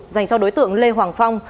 dành cho đối tượng lê hoàng phong